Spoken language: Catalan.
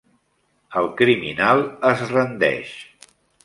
El criminal es rendeix.